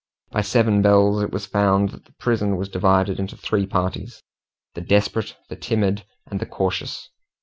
By seven bells it was found that the prison was divided into three parties the desperate, the timid, and the cautious.